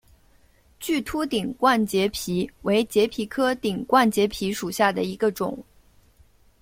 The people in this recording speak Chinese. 巨突顶冠节蜱为节蜱科顶冠节蜱属下的一个种。